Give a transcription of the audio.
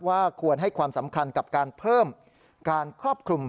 ควรให้ความสำคัญกับการเพิ่มการครอบคลุม